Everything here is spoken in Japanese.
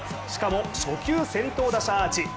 しかも、初球先頭打者アーチ。